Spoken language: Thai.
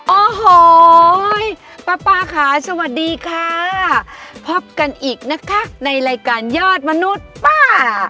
โอ้โหป๊าป๊าค่ะสวัสดีค่ะพบกันอีกนะคะในรายการยอดมนุษย์ป้า